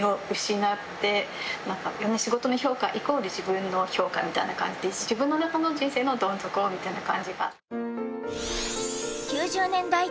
仕事の評価イコール自分の評価みたいな感じで自分の中の人生のどん底みたいな感じが。